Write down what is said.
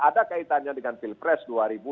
ada kaitannya dengan pilpres dua ribu dua puluh